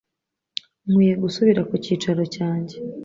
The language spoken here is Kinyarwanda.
Nkwiye gusubira ku cyicaro cyanjye